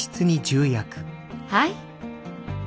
はい。